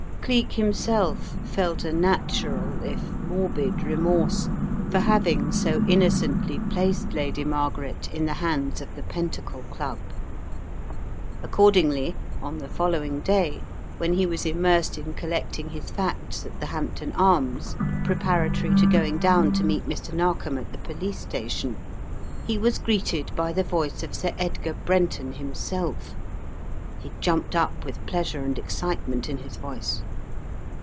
Cleek himself felt a natural if morbid remorse for having so innocently placed Lady Margaret in the 148 The Riddle of the Purple Emperor hands of the Pentacle Club. Accordingly, on the following day, when he was immersed in collecting his facts at< the Hampton Arms, preparatory to going down to meet Mr. Narkom at the police station, he was greeted by the voice of Sir Edgar Brenton him self; he jumped up with pleasure and excitement in his voice.